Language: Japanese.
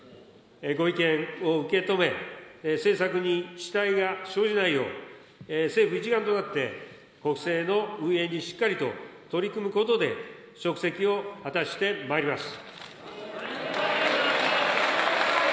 ご意見を受け止め、政策に遅滞が生じないよう、政府一丸となって国政の運営にしっかりと取り組むことで、職責を果たしてまいります。